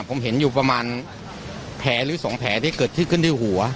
ผมเห็นอยู่ประมาณแผลหรือสองแผลที่เกิดขึ้นขึ้นที่หัว